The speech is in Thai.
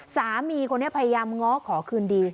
สามีคนนี้พยายามง้อขอคืนดี